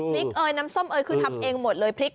พริกเอยน้ำส้มเอยคือทำเองหมดเลย